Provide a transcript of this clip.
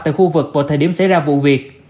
tại khu vực vào thời điểm xảy ra vụ việc